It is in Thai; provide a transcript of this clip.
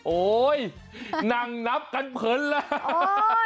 โอ๊ยนั่งนับกันเผินแล้ว